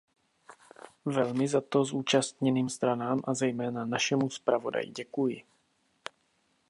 Velmi za to zúčastněným stranám a zejména našemu zpravodaji děkuji.